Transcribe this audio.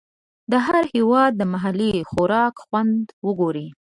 د هر هېواد د محلي خوراک خوند وګورئ.